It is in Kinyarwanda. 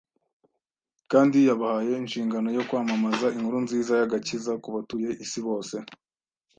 kandi yabahaye inshingano yo kwamamaza inkuru nziza y’agakiza ku batuye isi bose.